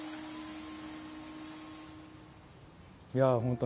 いや本当